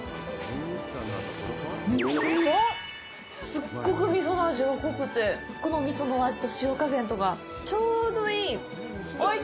すごく味噌の味が濃くてこの味噌の味と塩加減とかちょうどいい。